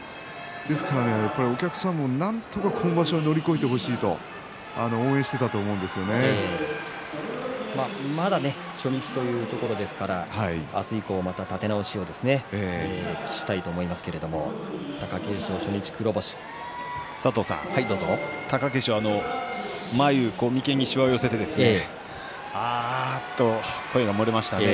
ですからお客さんもなんとか今場所、乗り越えてほしいとまだ初日というところですから明日以降また立て直しを期待したいと思いますけれども貴景勝は眉間にしわを寄せてああ、と声が漏れましたね。